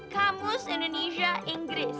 kamus indonesia inggris